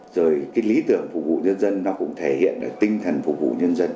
rồi cái lý tưởng phục vụ nhân dân nó cũng thể hiện được tinh thần phục vụ nhân dân